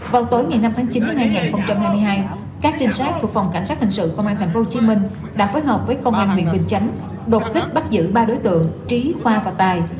vào tối ngày năm tháng chín năm hai nghìn hai mươi hai các trinh sát thuộc phòng cảnh sát hình sự công an tp hcm đã phối hợp với công an huyện bình chánh đột kích bắt giữ ba đối tượng trí khoa và tài